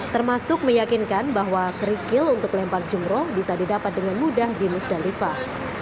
termasuk meyakinkan bahwa kerikil untuk lempar jumroh bisa didapat dengan mudah di musdalifah